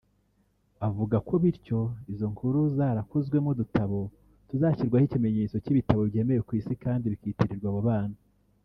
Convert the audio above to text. Avuga ko bityo izo nkuru zarakozwemo udutabo tuzashyirwaho ikimenyetso cy’ibitabo byemewe ku isi kandi bikitirirwa abo bana